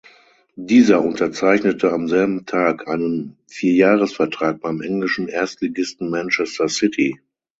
Dieser unterzeichnete am selben Tag einen Vierjahresvertrag beim englischen Erstligisten Manchester City.